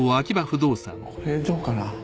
これどうかな？